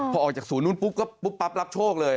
พอออกจากศูนย์นู้นปุ๊บก็ปุ๊บปั๊บรับโชคเลย